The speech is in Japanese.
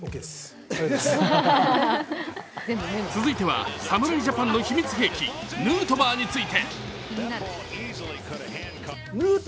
続いては侍ジャパンの秘密兵器、ヌートバー選手について。